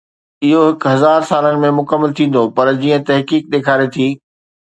اهو هڪ هزار سالن ۾ مڪمل ٿيندو، پر جيئن تحقيق ڏيکاري ٿي